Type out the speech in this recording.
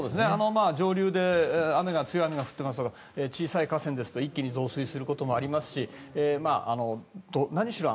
上流で雨が強い降っていますとか小さい河川ですと一気に増水することもありますし何しろ